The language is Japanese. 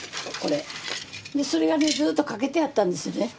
それがねずっとかけてあったんですね。